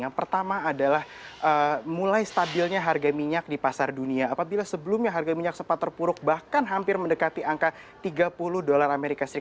yang pertama adalah mulai stabilnya harga minyak di pasar dunia apabila sebelumnya harga minyak sempat terpuruk bahkan hampir mendekati angka tiga puluh dolar as